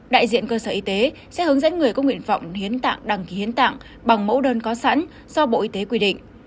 đại diện cơ sở y tế sẽ hướng dẫn người có nguyện vọng hiến tặng đăng ký hiến tặng bằng mẫu đơn có sẵn do bộ y tế quy định